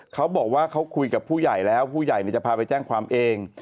เขาบอกว่าเขาคุยกับผู้ใหญ่แล้วผู้ใหญ่จะพาไปแจ้งความเอง